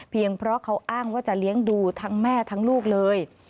เพราะเขาอ้างว่าจะเลี้ยงดูทั้งแม่ทั้งลูกเลย